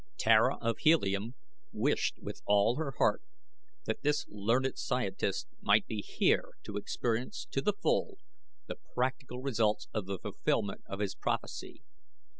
Tara of Helium wished with all her heart that this learned scientist might be here to experience to the full the practical results of the fulfillment of his prophecy.